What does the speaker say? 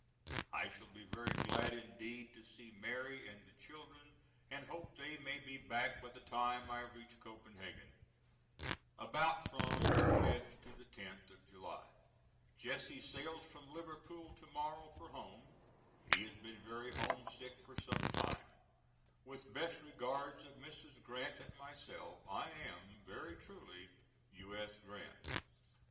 I shall be very glad indeed to see Mary and the children and hope they may be back by the time I reach Copenhagen, about from the fifth to the tenth of July. Jesse sails from Liverpool to morrow for home. He has been very homesick for some time. With best regards of Mrs. Grant and myself, I am, Very truly, U.S. GRANT.